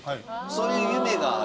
そういう夢がある。